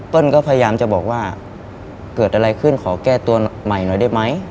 ก็พยายามจะบอกว่าเกิดอะไรขึ้นขอแก้ตัวใหม่หน่อยได้ไหม